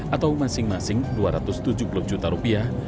atau masing masing dua ratus tujuh puluh juta rupiah